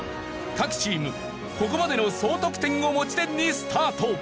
各チームここまでの総得点を持ち点にスタート。